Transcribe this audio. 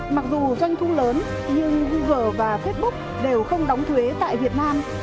mặc dù doanh thu lớn nhưng google và facebook đều không đóng thuế tại việt nam